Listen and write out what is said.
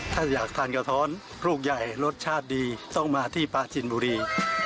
ถ้าอยากทานกะท้อนลูกใหญ่รสชาติดีต้องมาที่ปลาจินบุรี